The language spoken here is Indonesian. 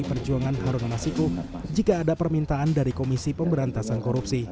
dengan mengenal siu jika ada permintaan dari komisi pemberantasan korupsi